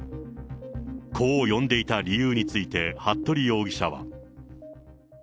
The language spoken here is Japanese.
こう呼んでいた理由について、服部容疑者は。